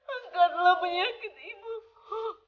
engkatlah penyakit ibumu